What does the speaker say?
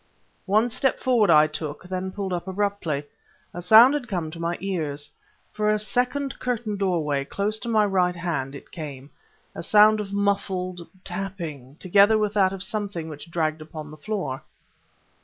One step forward I took, then pulled up abruptly. A sound had come to my ears. From a second curtained doorway, close to my right hand, it came a sound of muffled tapping, together with that of something which dragged upon the floor.